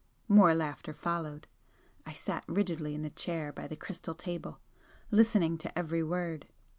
More laughter followed. I sat rigidly in the chair by the crystal table, listening to every word.